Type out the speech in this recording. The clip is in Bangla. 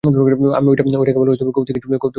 আমি ঐটা কেবল একটা কৌতুক হিসেবে লিখেছি।